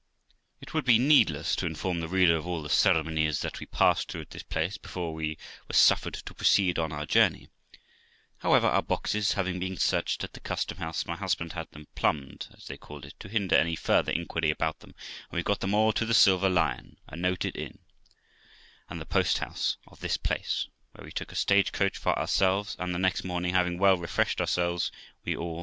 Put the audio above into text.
It would be needless to inform the reader of all the ceremonies that we passed through at this place before we were suffered to proceed on our journey; however, our boxes having been searched at the Custom house, my husband had them plumbed, as they called it, to hinder any further inquiry about them ; and we got them all to the Silver Lion, a noted inn, and the post house of this place, where we took a stage coach for ourselves, and the next morning, having well refreshed ourselves, we all, viz.